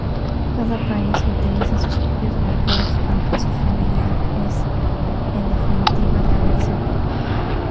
Cada país utiliza sus propios bloqueos, aunque su finalidad es en definitiva la misma.